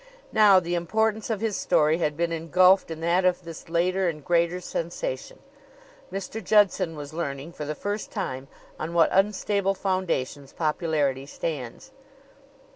Now the importance of his story had been engulfed in that of this later and greater sensation, Mr. Judson was learning, for the first time, on what unstable foundations popularity stands.